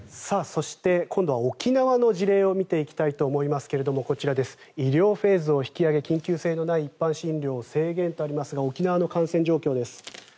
そして、今度は沖縄の事例を見ていきたいと思いますがこちら、医療フェーズを引きがて緊急性のない一般診療を制限とありますが沖縄の感染状況です。